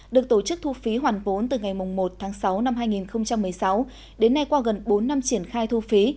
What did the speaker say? được tổ chức thu phí hoàn vốn từ ngày một tháng sáu năm hai nghìn một mươi sáu đến nay qua gần bốn năm triển khai thu phí